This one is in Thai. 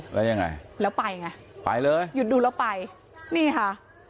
แล้วยังไงแล้วไปไงไปเลยหยุดดูแล้วไปนี่ค่ะ